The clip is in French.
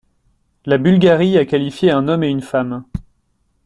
La Bulgarie a qualifié un homme et une femme.